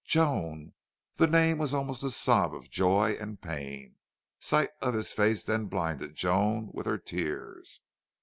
"Joan!" The name was almost a sob of joy and pain. Sight of his face then blinded Joan with her tears.